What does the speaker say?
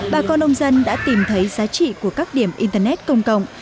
bà con nông dân đã tìm thấy giá trị của các điểm internet công cộng